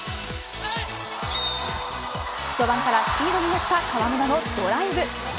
序盤からスピードに乗った河村のドライブ。